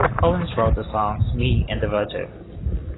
Collins wrote the song "Me and Virgil".